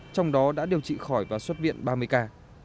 trong đó đã điều trị khỏi và xuất viện ba mươi ca